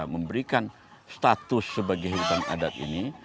memberikan status sebagai hutan adat ini